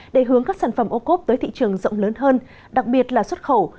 để hướng các sản phẩm ocob tới thị trường rộng lớn hơn đặc biệt là xuất khẩu